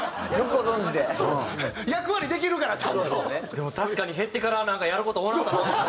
でも確かに減ってからなんかやる事多なったなあ。